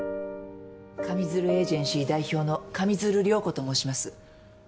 上水流エージェンシー代表の上水流涼子と申します。